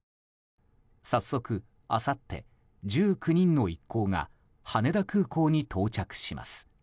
早速あさって、１９人の一行が羽田空港に到着します。